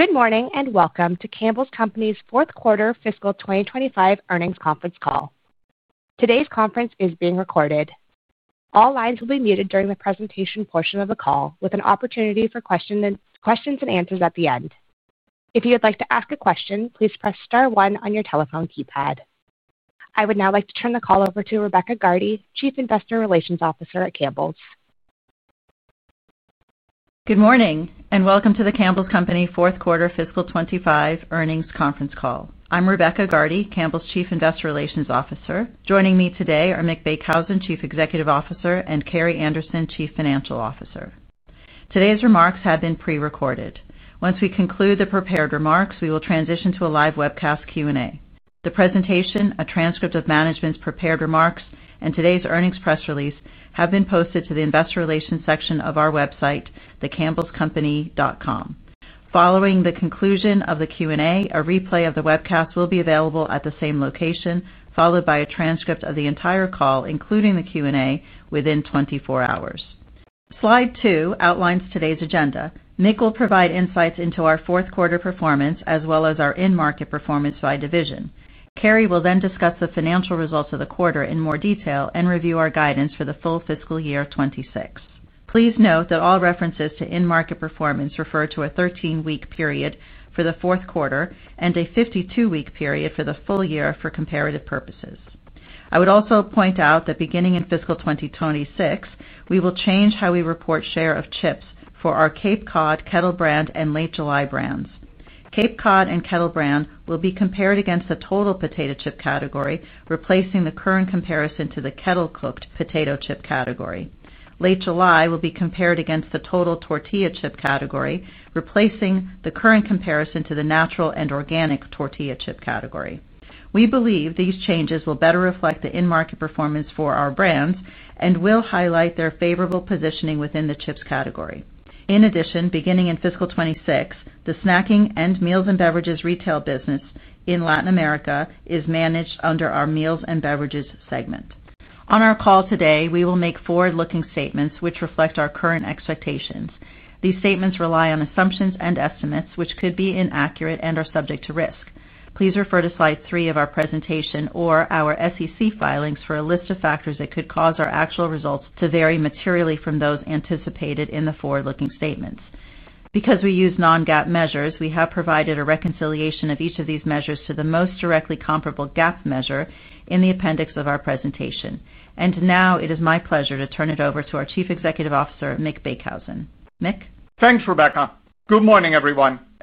Lots and lots of people to thank,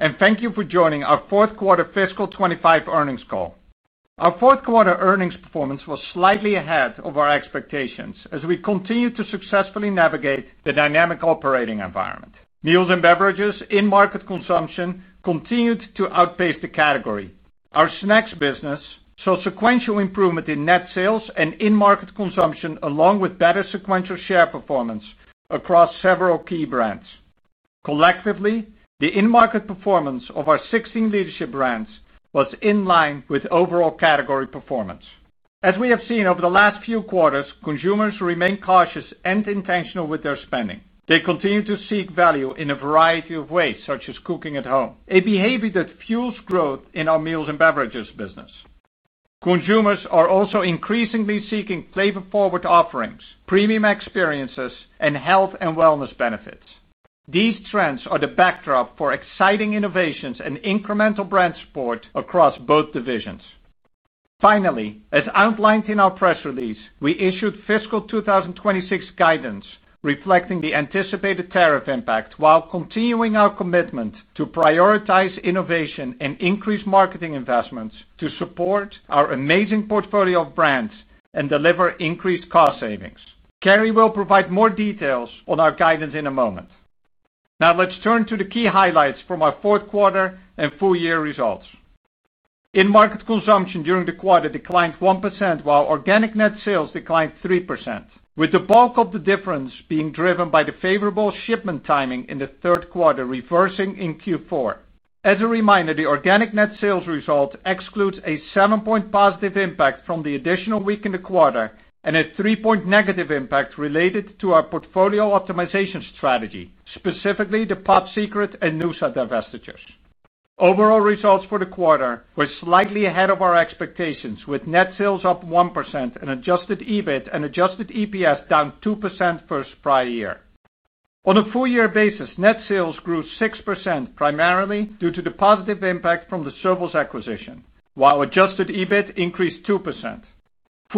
but I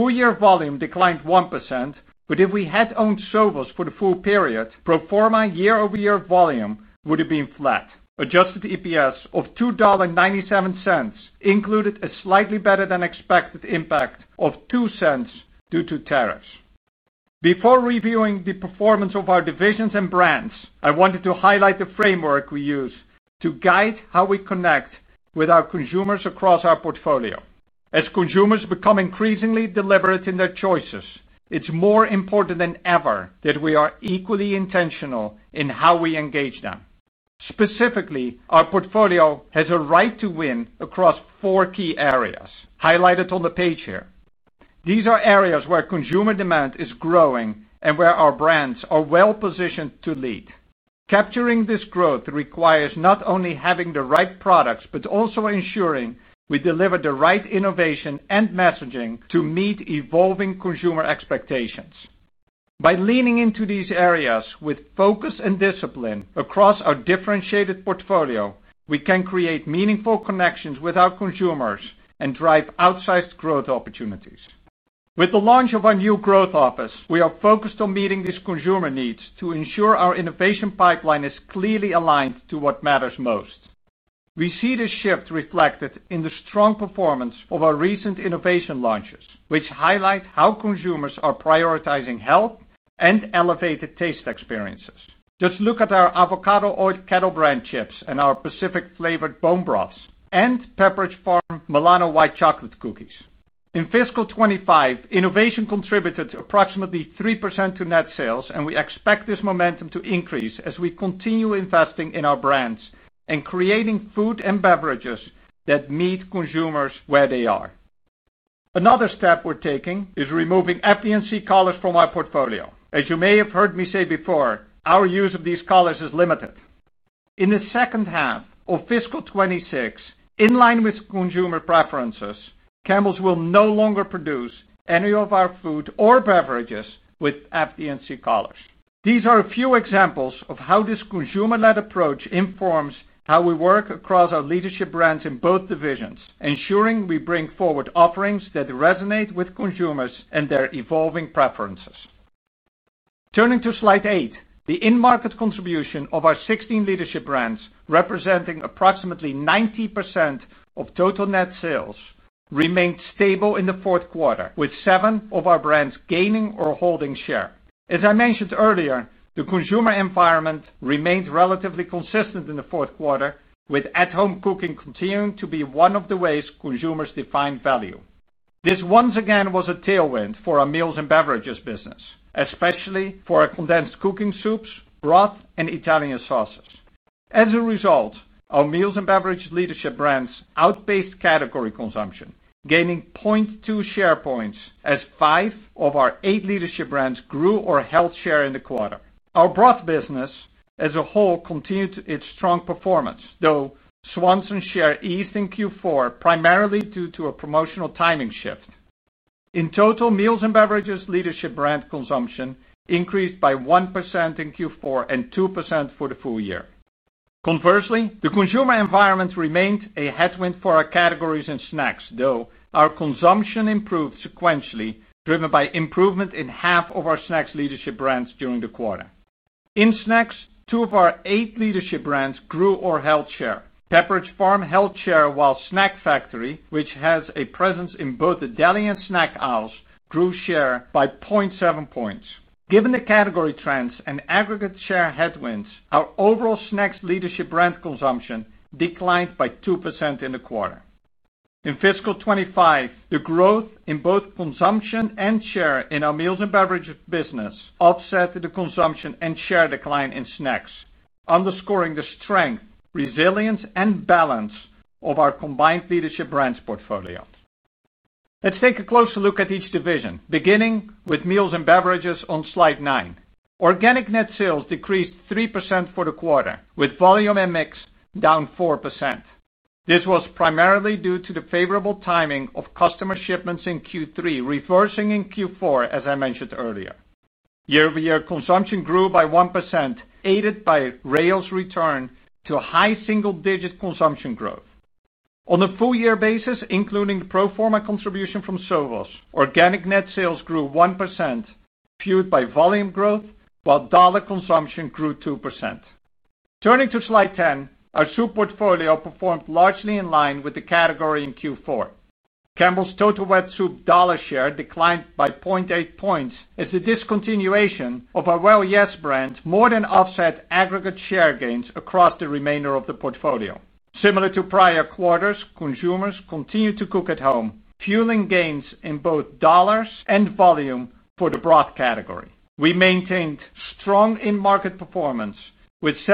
won't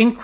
do that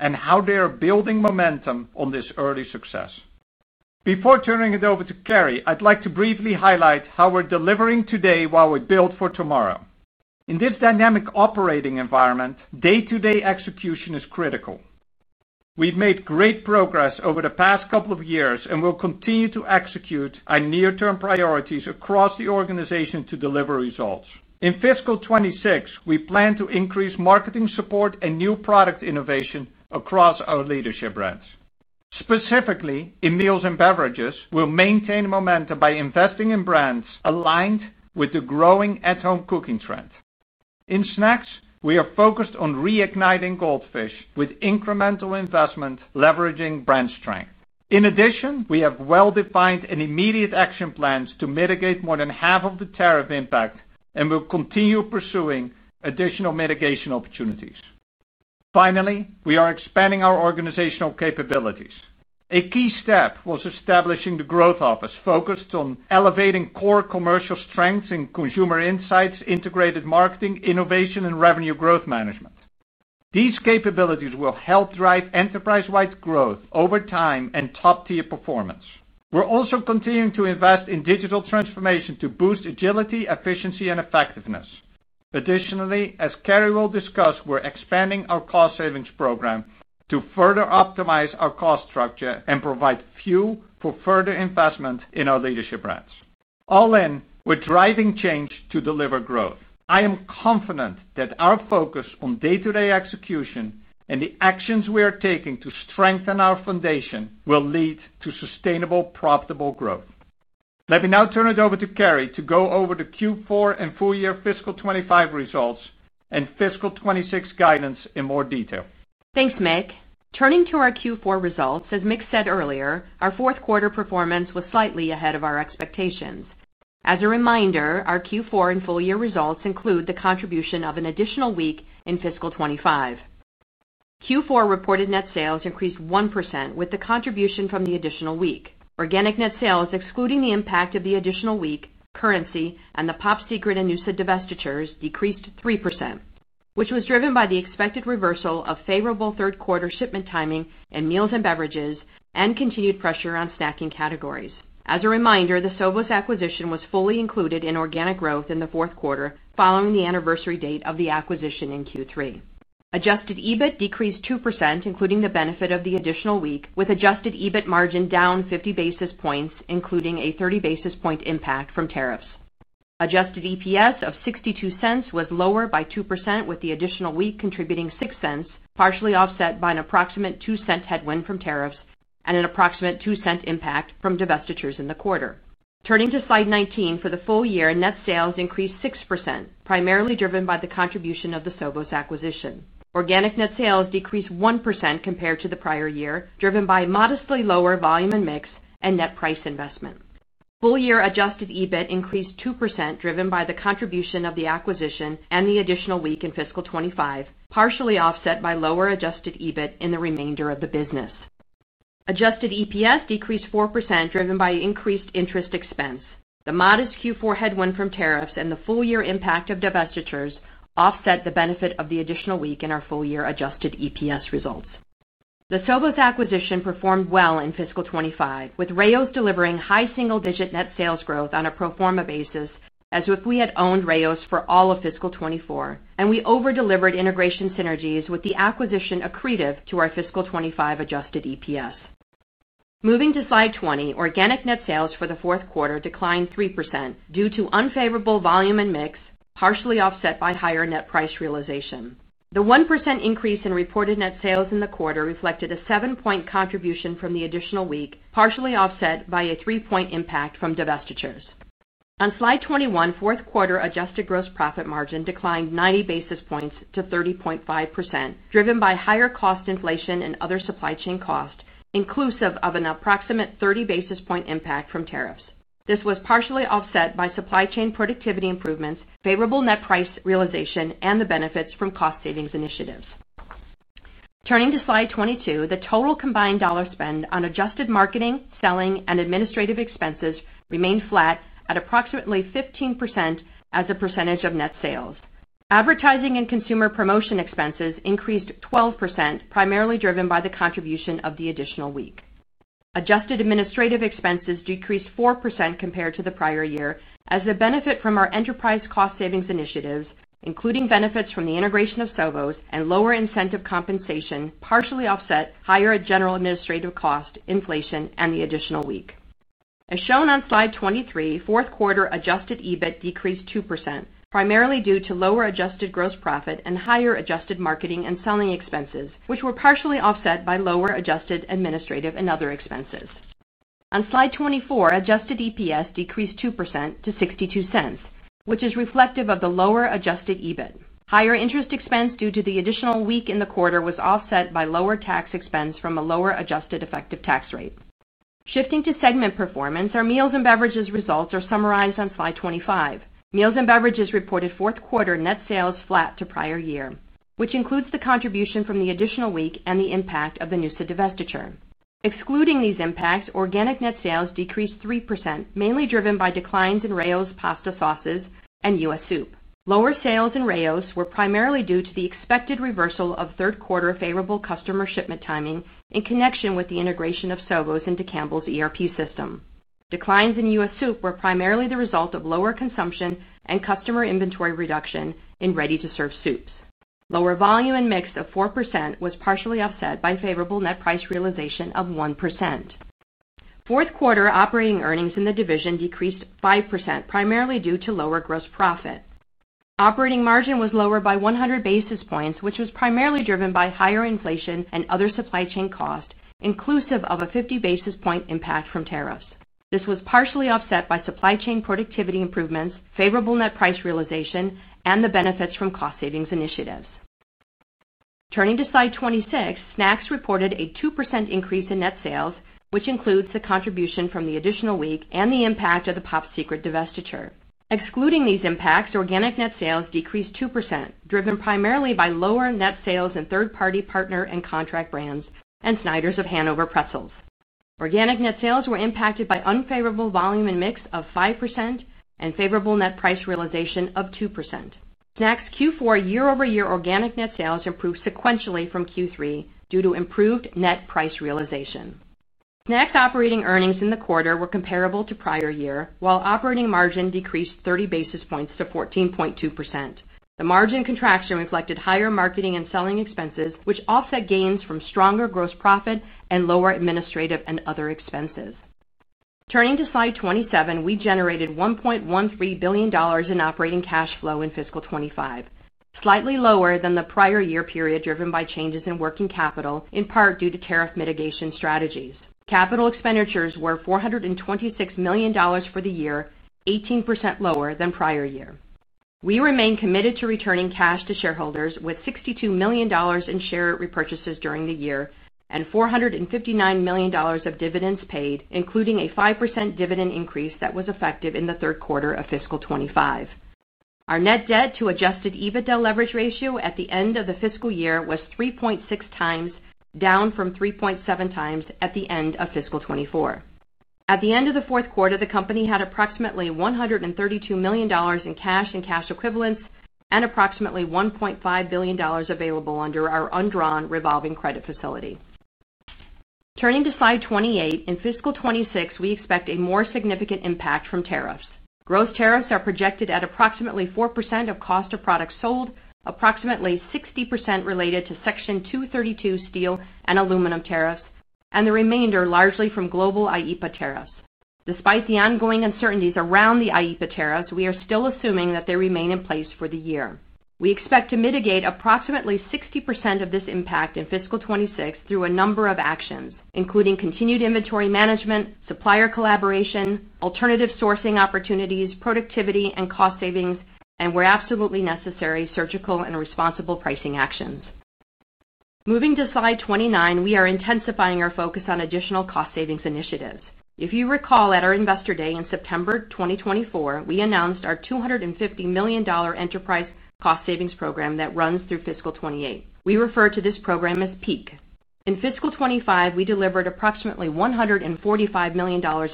right now. I'll wait to the very end. Deandra, Pedro, HJ, everybody, the whole team who's put all of this program together is phenomenal. Yesterday, our new Head of IR, Camille Melcharek, if you want to stand up, started yesterday. If it goes well, it's because everybody did a great job. If it doesn't, it's all his fault. Thanks everyone. My colleague, not my partner in crime, but my colleague here, Alphonse Valbrune, our Chief Legal Officer, will very briefly go through these items. I have the easiest job in the house today. I just have to be sociable and listen to the great program and remind you that any forward-looking statements are made pursuant to the safe harbor provisions of the Private Securities Litigation Reform Act of 1995, expressions of future goals, intentions, and expectations, including in relation to business outlook, future financial and product performance, expectations for the acquisitions of Enfusion, Beacon, and Bistro, and their expected benefits are forward-looking statements. Forward-looking statements involve a number of risks and uncertainties, including those discussed in the risk factor section of our filings with the SEC. Actual results may differ materially from any forward-looking statements. The company undertakes no obligation to revise or update any forward-looking statements in order to reflect events that may arise after today's presentations, except as required by law. For more information, please refer to the cautionary statement included at the beginning of our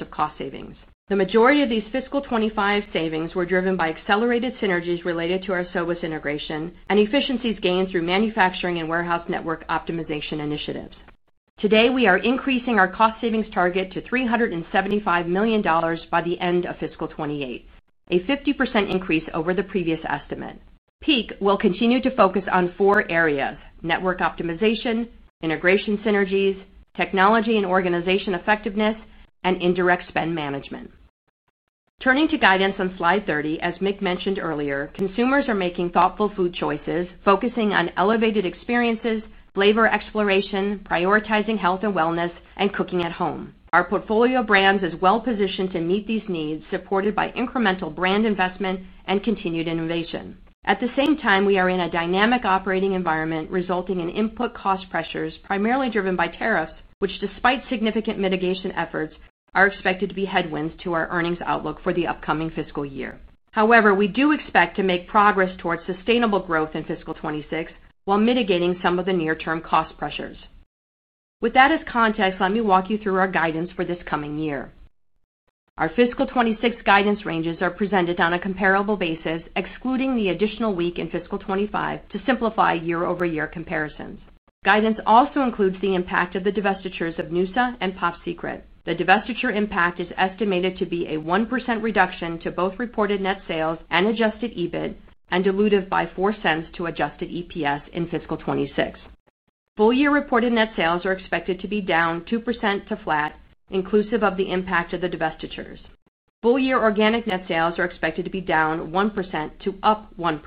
Investor Day deck, which you see here, which will be posted on our website. Lastly, all metrics discussed on this day are presented on a non-GAAP or adjusted basis unless otherwise noted. Thanks, Alphonse. We'll walk through the agenda here.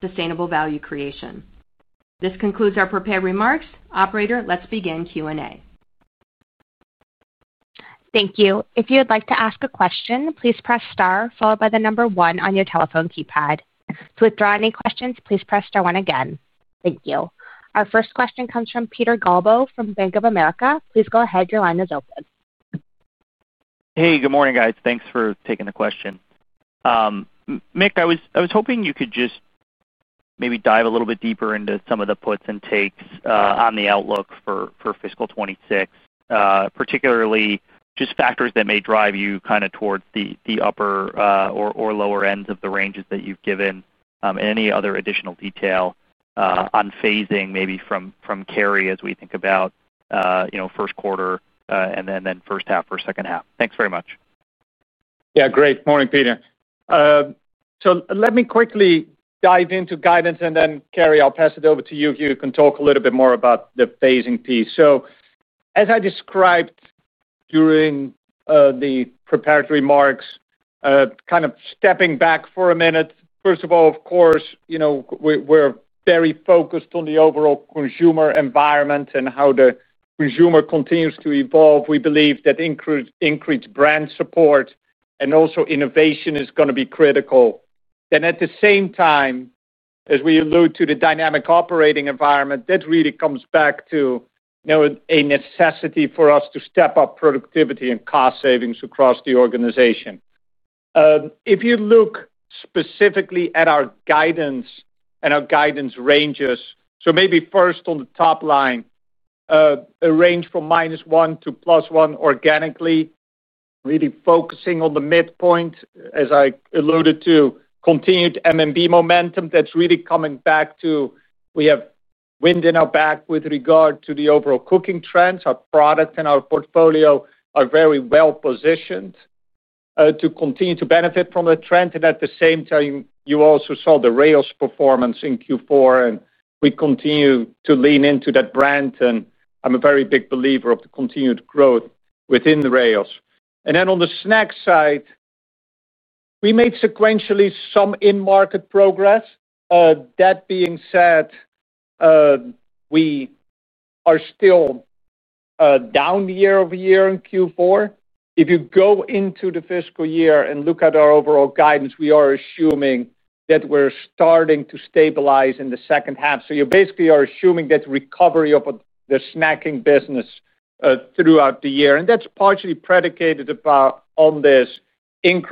not about the future, what we will do. This is what we have done compared to what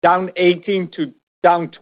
we talked about.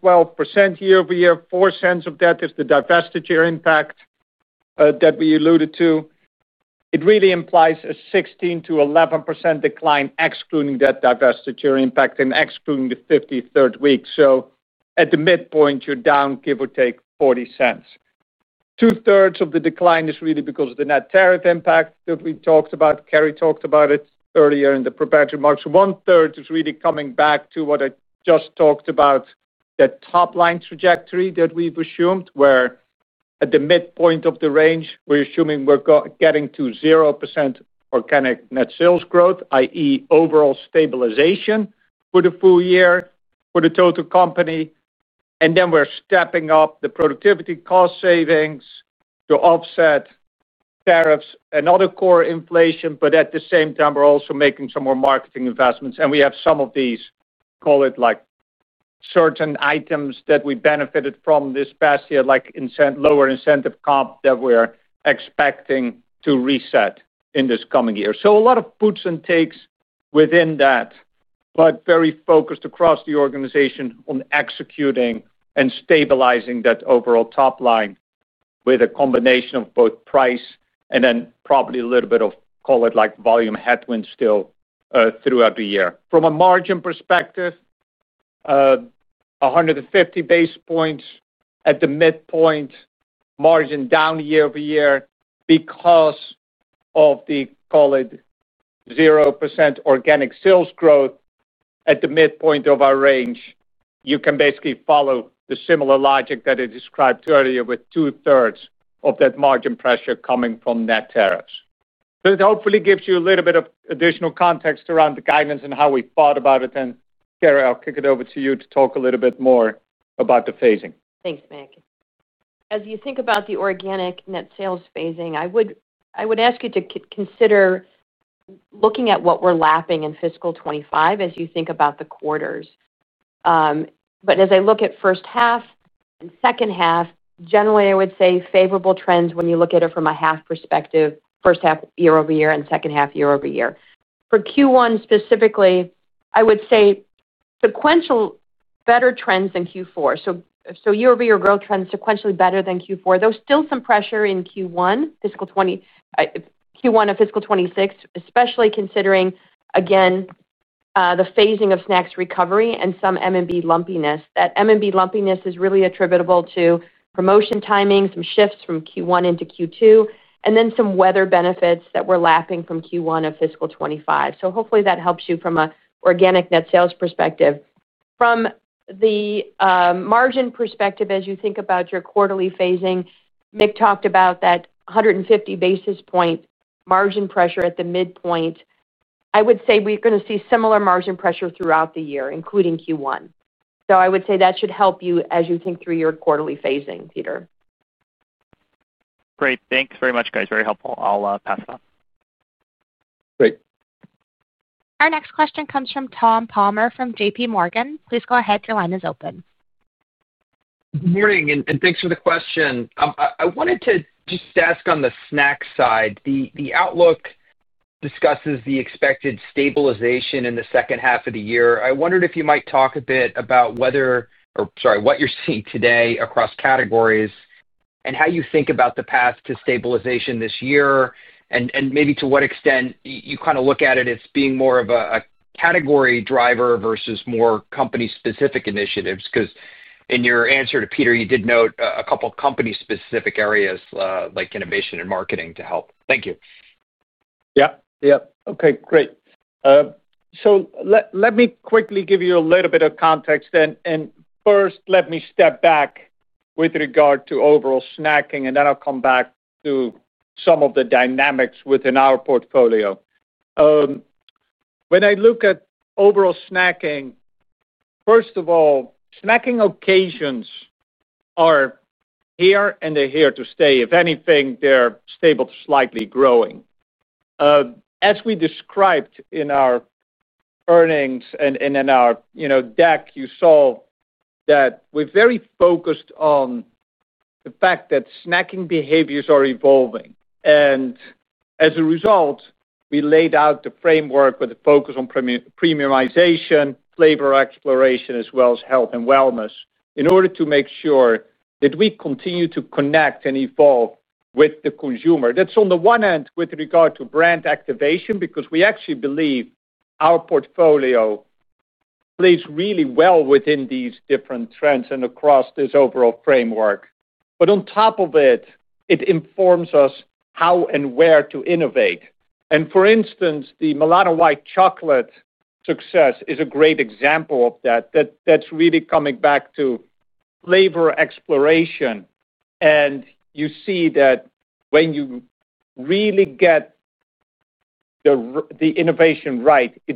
I feel like there's $14 million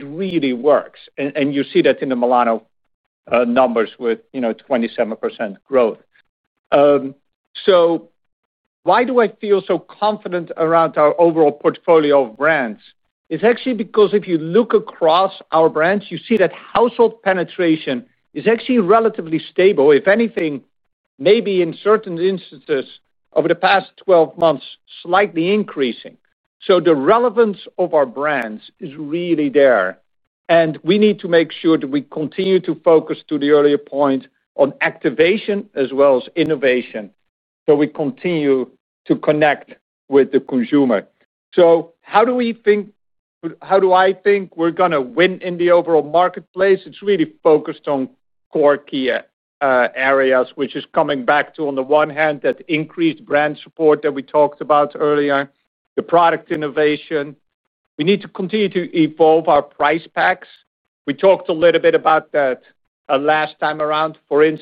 of revenue extra last year. It becomes harder now because you've got the acquisitions, so it becomes harder to track. Yes, going back two years, you can look at this and say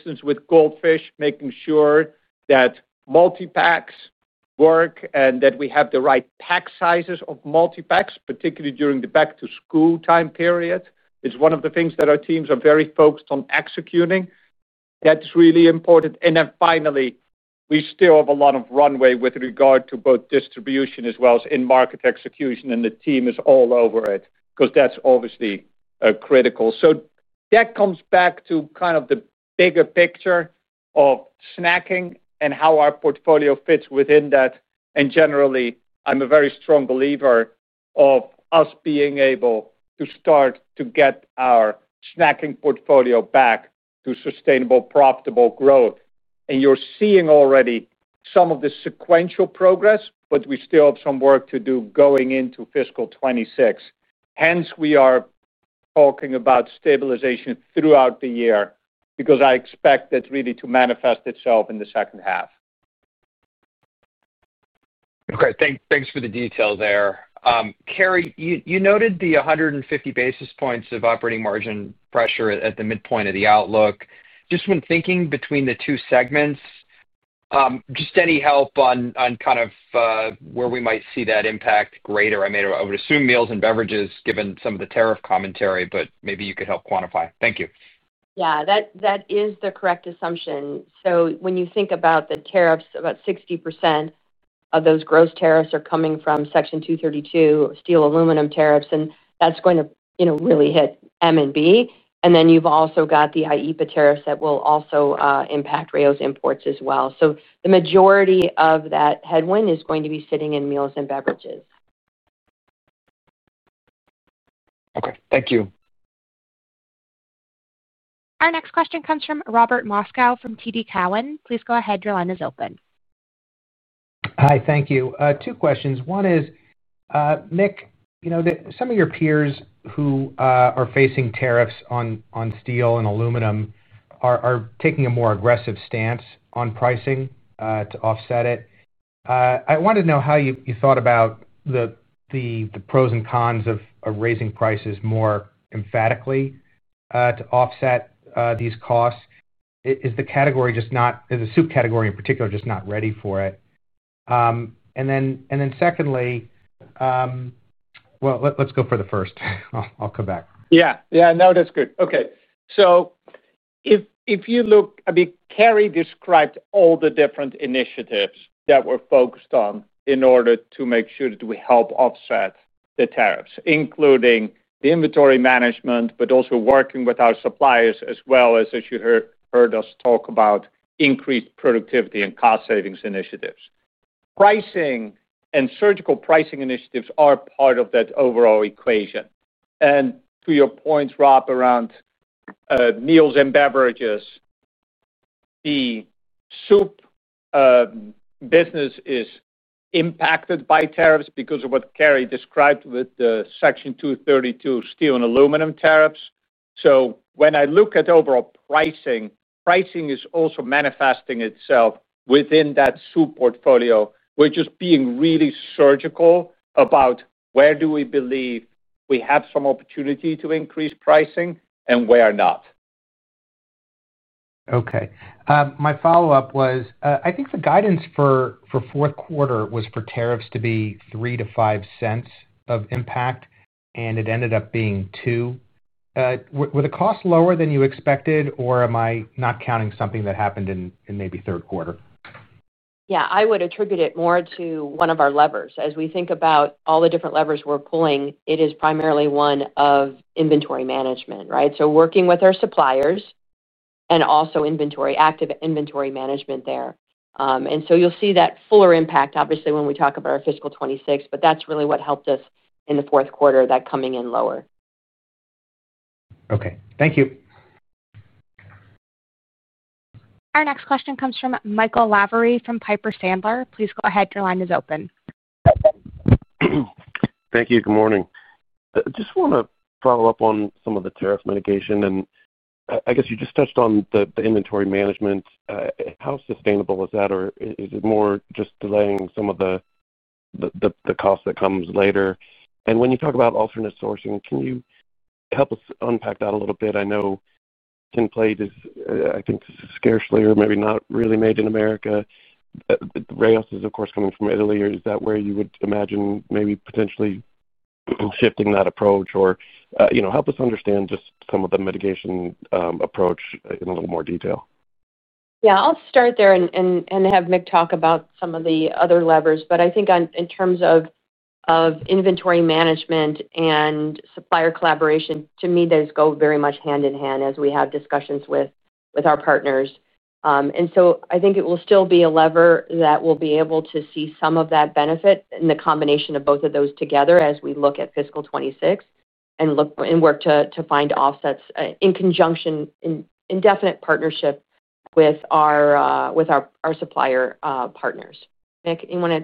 they did what we were expecting from them. The next thing which matters a lot to me is unit economics. Why does that matter? It just shows you, are you selling at the right price or are you having to discount to sell it? Are you efficient in how you deliver this? It matters quite a lot when you think about unit economics. Are you doing a better job there or not? What you should have expected again was 76% in 2024, 76.5%, and 77%. What did we deliver? We delivered 170 bps versus the 50 bps people should have expected. This is not happenstance. It just doesn't happen. It happens because you execute it. You look at the two years, we delivered 240 bps on unit economics versus the 100 people should have expected. Granted, we didn't have generative AI as a big deal at that time, but the fact is this is solid execution in my opinion. Then we talked about EBITDA, and a lot of you said 200 bps a year, that's a little too aggressive. A lot of you in this room here said, try and do 100. We said, no, we think we can do 200 because of the efficiency we expect to get. The point is, what did we deliver? In the first year, we delivered 300 bps against that goal of 200 bps. What did we deliver in two years? We delivered 650 bps versus the 400 you should have expected. The point is that I do think that the core business has done a lot better than we said it would do, and that is very strong execution when you look at this chart. Our gross revenue retention, 98%, 25 out of the 26 quarters. We almost felt that one quarter we could have done right to go after the entire investment lifecycle. It does not mean that the market for investment accounting is going away. Is that a $4.5 billion market, a total addressable market, or is it $5 billion? How does it matter?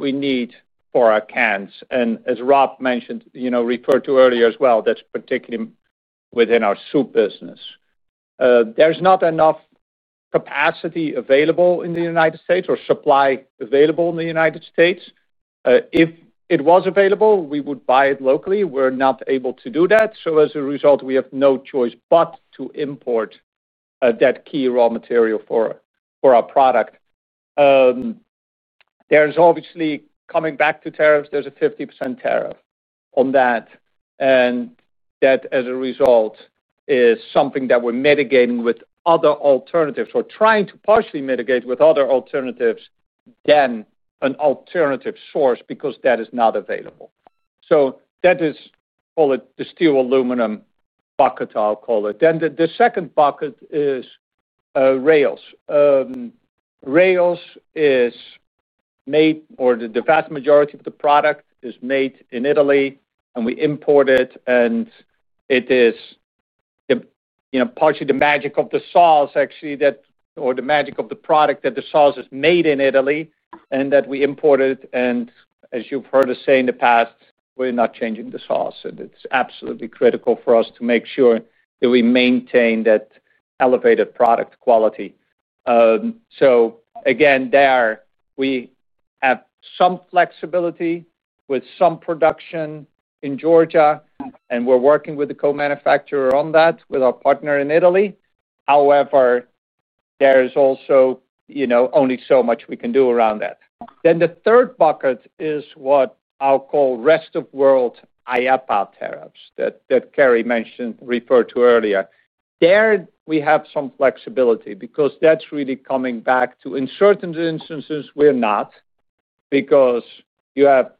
We were at million. What does it matter? Many, many clients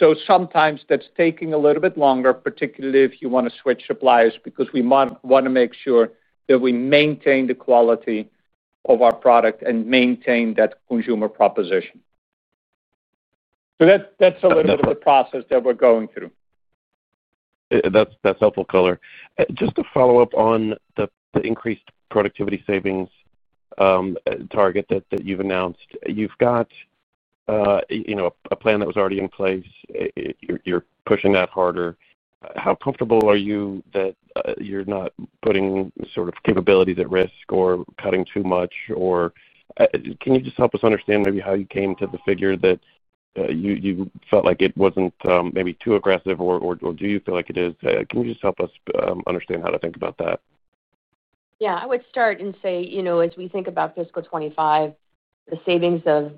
do want to see the entire investment lifecycle my portfolio was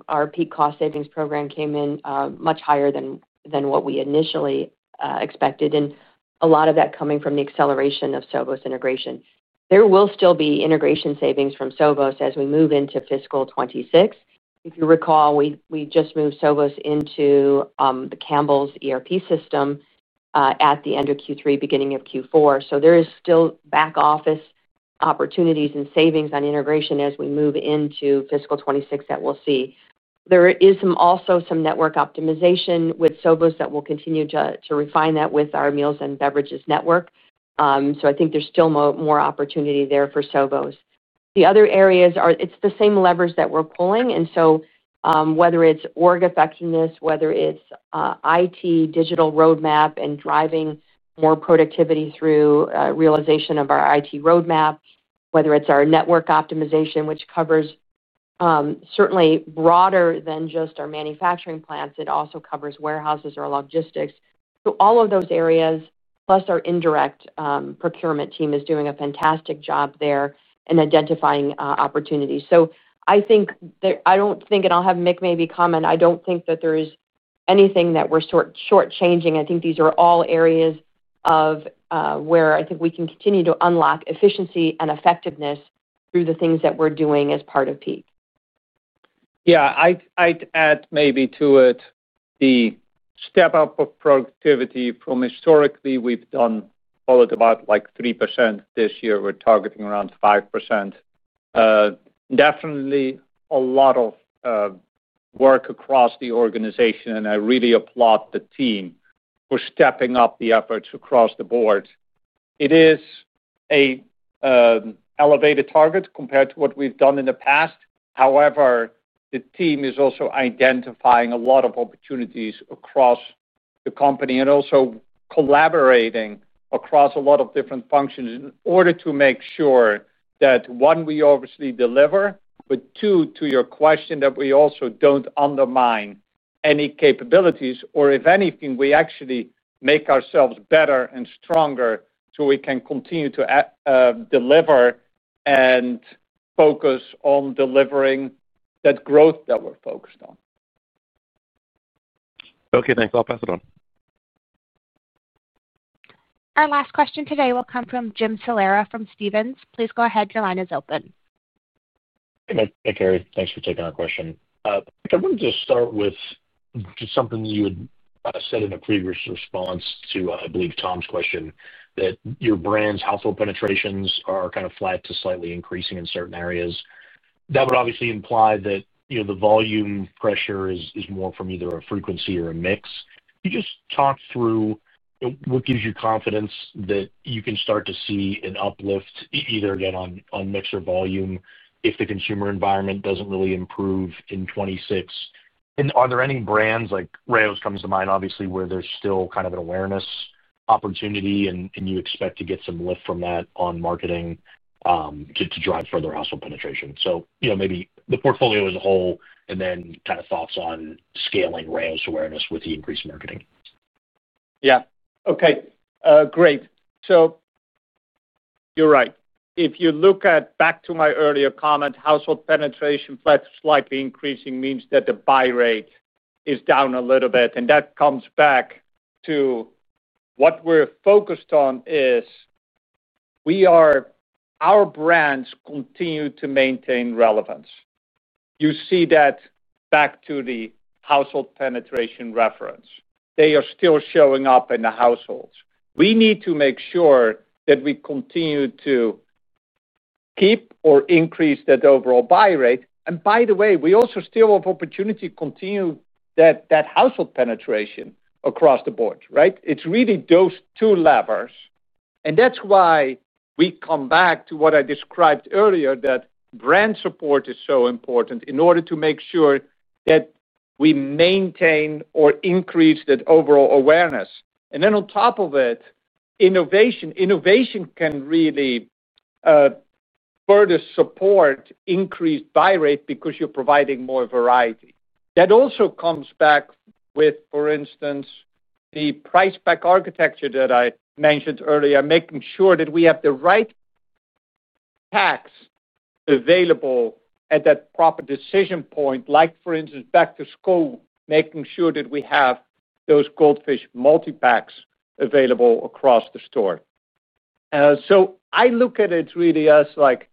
$10 billion, it's still $10 billion, and the amount of work and the cost associated with that could be 7x depending on the mix of assets they invest in. Alternatives are something which is growing. There isn't another way to look at that. about why we did this. I want to talk about this concept of capability. I think you'll hear us say, oh, we do front office, we do some risk, we do some of everybody. Go to the website. Everybody does everything. Really? There is a notion we have of no capability, limited capability, at market and above market. If we don't stress it like that, you're just going to get everybody saying they can do OEM SPMS, I have all of it. The question is, how good is it? Do you have 20 clients who will stand up and say you're better than market or you're at market? If you look at Clearwater Analytics Holdings Inc., I think what we did well was the middle back office. We are, I think most people would quickly agree, by far the next generation disruptive platform there is. Nobody went to Boise looking for an accounting software, let's be really clear. People went there because that platform was disruptive and